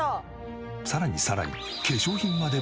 さらにさらに会長！